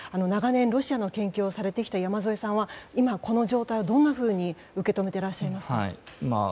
長年、ロシアの研究をされてきた山添さんは今、この状態をどんなふうに受け止めてらっしゃいますか？